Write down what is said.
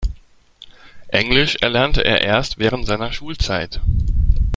Englisch erlernte er erst während seiner Schulzeit.